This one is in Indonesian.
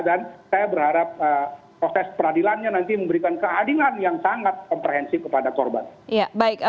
dan saya berharap proses peradilannya nanti memberikan keadilan yang sangat komprehensif kepada korban